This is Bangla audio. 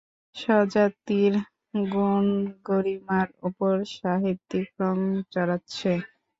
স্বজাতির গুণগরিমার উপর সাহিত্যিক রঙ চড়াচ্ছে।